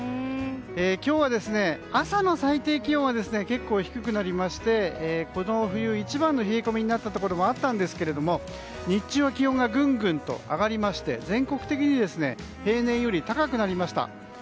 今日は朝の最低気温は結構低くなりましてこの冬一番の冷え込みになったところもあったんですが日中は気温がぐんぐんと上がりまして全国的に平年より高くなりました。